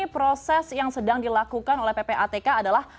proses yang sedang dilakukan oleh ppatk adalah